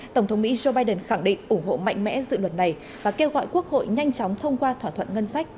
tổng thống mỹ joe biden khẳng định ủng hộ mạnh mẽ dự luật này và kêu gọi quốc hội nhanh chóng thông qua thỏa thuận ngân sách